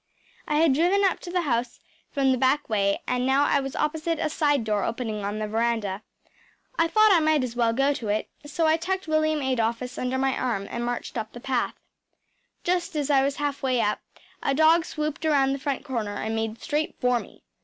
I had driven up to the house from the back way and now I was opposite a side door opening on the veranda. I thought I might as well go to it, so I tucked William Adolphus under my arm and marched up the path. Just as I was half way up, a dog swooped around the front corner and made straight for me.